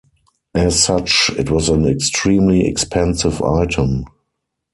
As such, it was an extremely expensive item.